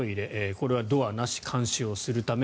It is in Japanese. これはドアなし監視をするため。